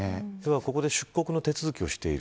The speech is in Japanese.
ここで出国の手続きをしている。